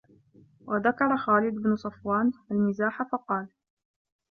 وَذَكَرَ خَالِدُ بْنُ صَفْوَانَ الْمِزَاحَ فَقَالَ